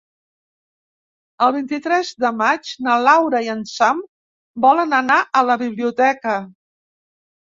El vint-i-tres de maig na Laura i en Sam volen anar a la biblioteca.